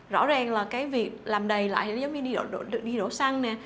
rõ ràng là cái việc làm đầy lại thì giống như đi đổ xăng nè